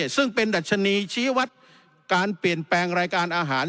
ซึ่งเป็นดัชนีชี้วัดการเปลี่ยนแปลงรายการอาหาร